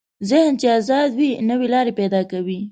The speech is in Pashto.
ذهن چې ازاد وي، نوې لارې پیدا کوي.